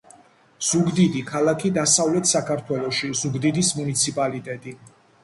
ზუგდიდი — ქალაქი დასავლეთ საქართველოში, ზუგდიდის მუნიციპალიტეტი